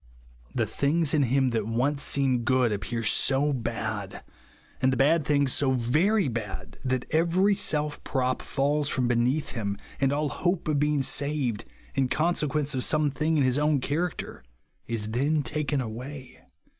The things in him that once seemed good appear so bad, and the bad things so very bad, that every self prop falls from beneath him, and all hope of being saved, in consequence of some thing in his own character, is then taken away.